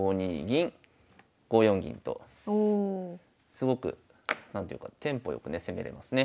すごく何ていうかテンポ良くね攻めれますね。